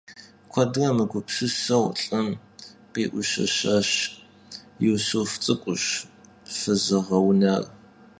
Kuedre mıgupsıseu lh'ım khi'uşeşaş: - Yisuf ts'ık'uş fızığeunar.